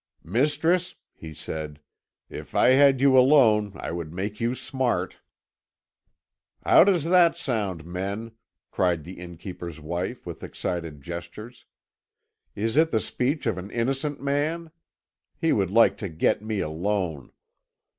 "Mistress," he said, "if I had you alone I would make you smart." "How does that sound, men?" cried the innkeeper's wife with excited gestures. "Is it the speech of an innocent man? He would like to get me alone.